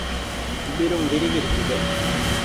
ބިރުން ވިރި ވިރި ތިބޭ